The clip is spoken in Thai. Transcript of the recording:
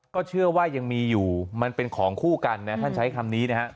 ก็เชื่อว่ายังมีอยู่มันเป็นของคู่กันนะท่านใช้คำนี้นะครับ